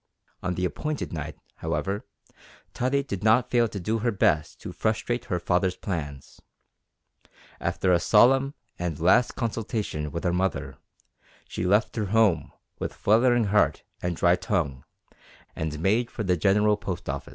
On the appointed night, however, Tottie did not fail to do her best to frustrate her father's plans. After a solemn, and last, consultation with her mother, she left her home with fluttering heart and dry tongue, and made for the General Post Office.